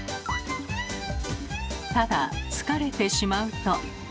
ただ疲れてしまうと。